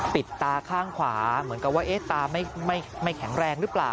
ปิดตาข้างขวาเหมือนกับว่าเอ๊ะตาไม่ไม่ไม่แข็งแรงหรือเปล่า